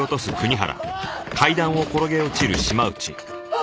あっ！